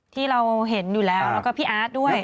ที่เราเห็นอยู่แล้วแล้วก็พี่อาร์ตด้วย